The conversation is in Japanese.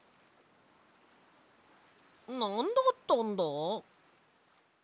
なんだったんだ？